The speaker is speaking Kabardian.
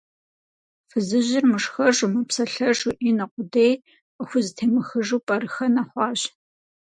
Фызыжьыр мышхэжу, мыпсэлъэжу, и нэ къудей къыхузэтемыхыжу пӀэрыхэнэ хъуащ.